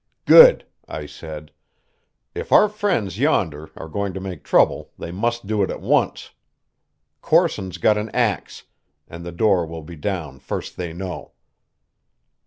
"Good!" I said. "If our friends yonder are going to make trouble they must do it at once. Corson's got an ax, and the door will be down first they know."